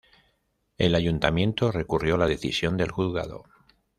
El Ayuntamiento recurrió la decisión del juzgado.